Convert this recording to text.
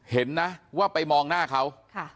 เห็นนะว่าไปมองหน้าเขา